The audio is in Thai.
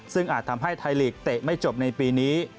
ซึ่งอาจทำให้ไทยลีกเตะไม่จบในปีนี้